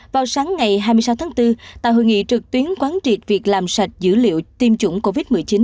vào sáng ngày hai mươi sáu tháng bốn tại hội nghị trực tuyến quán triệt việc làm sạch dữ liệu tiêm chủng covid một mươi chín